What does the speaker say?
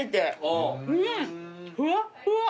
ふわっふわ。